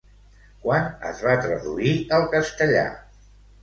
Quan es va traduir al castellà?